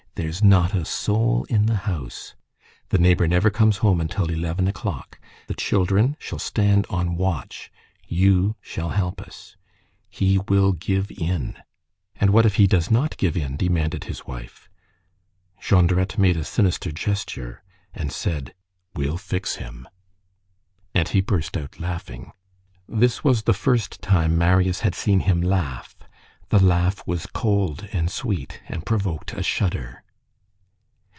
There's not a soul in the house. The neighbor never comes home until eleven o'clock. The children shall stand on watch. You shall help us. He will give in." "And what if he does not give in?" demanded his wife. Jondrette made a sinister gesture, and said:— "We'll fix him." And he burst out laughing. This was the first time Marius had seen him laugh. The laugh was cold and sweet, and provoked a shudder.